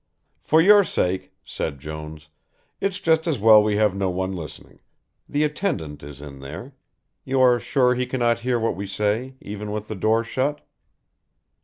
"For your sake," said Jones, "it's just as well we have no one listening, the attendant is in there you are sure he cannot hear what we say, even with the door shut?"